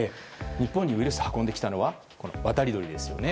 日本にウイルスを運んできたのは渡り鳥ですよね。